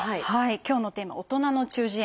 今日のテーマ「大人の中耳炎」。